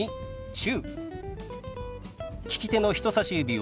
「中」。